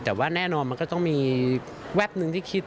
แต่ว่าแน่นอนมันก็ต้องมีแวบนึงที่คิด